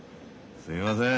すいません